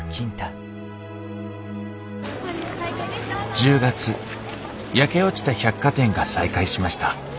１０月焼け落ちた百貨店が再開しました。